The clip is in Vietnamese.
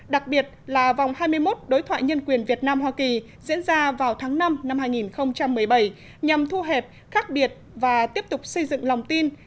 đặc biệt là vòng hai mươi một đối thoại nhân quyền việt nam hoa kỳ diễn ra vào tháng năm năm hai nghìn một mươi bảy nhằm thu hẹp khác biệt và tiếp tục xây dựng lòng tin